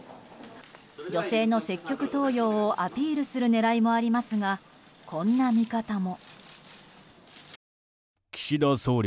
女性の積極登用をアピールする狙いもありますがこんな見方も。